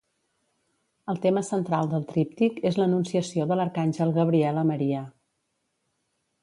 El tema central del tríptic és l'Anunciació de l'arcàngel Gabriel a Maria.